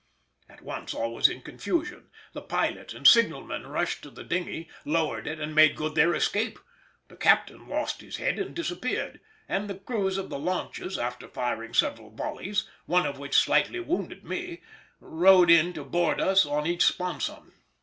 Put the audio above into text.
At once all was in confusion; the pilot and signalman rushed to the dinghy, lowered it, and made good their escape; the captain lost his head and disappeared; and the crews of the launches, after firing several volleys, one of which slightly wounded me, rowed in to board us on each sponson.